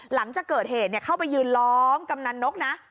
หลังจากเกิดเหตุเข้าไปยืนล้อมกำนันนกนะ